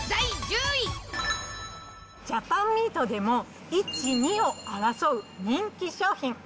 ジャパンミートでも１、２を争う人気商品。